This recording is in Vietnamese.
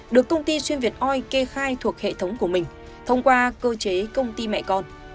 được công ty xuyên việt oil kê khai thuộc hệ thống của mình thông qua cơ chế công ty mẹ con